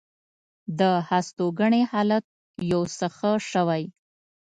د هستوګنې حالت یو څه ښه شوی.